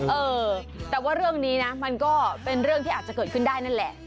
เออแต่ว่าเรื่องนี้นะมันก็เป็นเรื่องที่อาจจะเกิดขึ้นได้นั่นแหละ